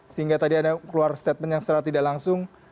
sehingga tadi anda keluar statement yang secara tidak langsung